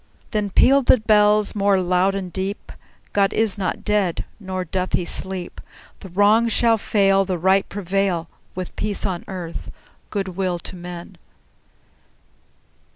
Then pealed the bells more loud and deep: "God is not dead; nor doth he sleep! The Wrong shall fail, The Right prevail, With peace on earth, good will to men!"